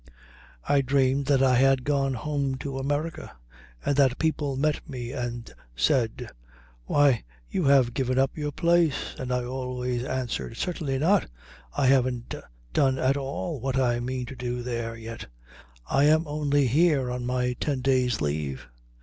I dreamed that I had gone home to America, and that people met me and said, "Why, you have given up your place!" and I always answered: "Certainly not; I haven't done at all what I mean to do there, yet. I am only here on my ten days' leave."